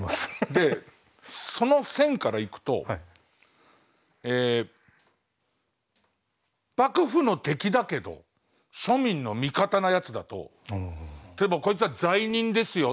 でその線からいくとえ幕府の敵だけど庶民の味方なやつだと。でもこいつは罪人ですよ。